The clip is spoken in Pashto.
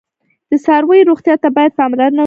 د څارویو روغتیا ته باید پاملرنه وشي.